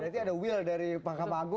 berarti ada will dari mahkamah agung